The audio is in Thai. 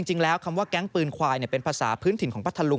จริงแล้วคำว่าแก๊งปืนควายเป็นภาษาพื้นถิ่นของพัทธลุง